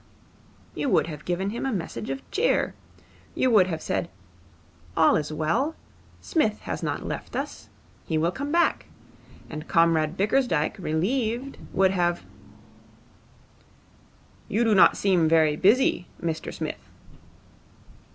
'You would have given him a message of cheer. You would have said, "All is well. Psmith has not left us. He will come back. And Comrade Bickersdyke, relieved, would have "' 'You do not seem very busy, Mr Smith.'